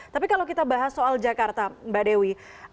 tapi kalau kita bahas soal jakarta mbak dewi